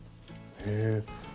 へえ。